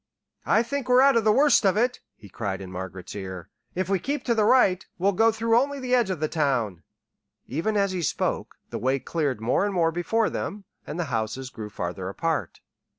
"I think we're out of the worst of it," he cried in Margaret's ear. "If we keep to the right, we'll go through only the edge of the town." Even as he spoke, the way cleared more and more before them, and the houses grew farther apart.